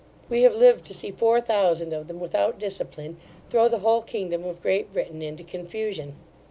We have lived to see four thousand of them, without discipline, throw the whole kingdom of Great Britain into confusion.